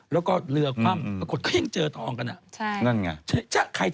แล้วก็เรือความปรากฏเยี่ยมเจอทองกันอ่ะ